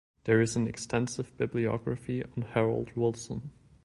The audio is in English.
There is an extensive bibliography on Harold Wilson.